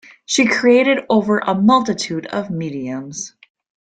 She created over a multitude of mediums.